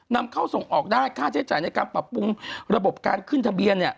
นำเข้าส่งออกได้ค่าใช้จ่ายในการปรับปรุงระบบการขึ้นทะเบียน